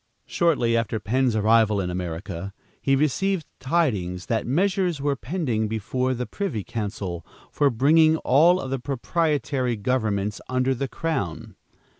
Shortly after Penn's arrival in America, he received tidings that measures were pending before the privy council, for bringing all of the proprietary governments under the crown.